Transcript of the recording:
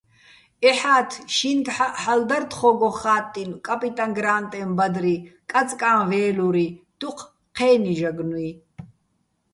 ეჰ̦ათ შინგჰ̦აჸ ჰ̦ალო̆ დარ თხო́გო ხა́ტტინო̆ "კაპიტაჼ გრა́ნტეჼ ბადრი", "კაწკაჼ ვე́ლური", დუჴ ჴე́ნი ჟაგნუჲ.